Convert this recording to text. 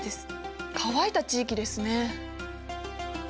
乾いた地域ですね。